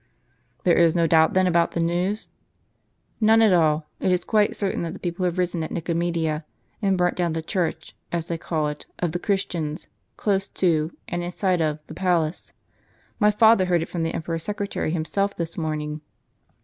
"There is no doubt, then, about the news? " "None at all. It is quite certain that the people have risen at Nicomedia and burnt down the church, as they call it, of the Christians, close to, and in sight of, the palace. My father heard it from the emperor's secretary himself this morning."